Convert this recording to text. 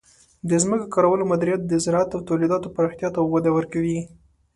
د ځمکې کارولو مدیریت د زراعت او تولیداتو پراختیا ته وده ورکوي.